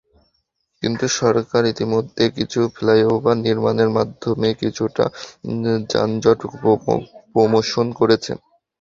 কিন্তু সরকার ইতিমধ্যে কিছু ফ্লাইওভার নির্মাণের মাধ্যমে কিছুটা যানজট প্রশমন করেছে।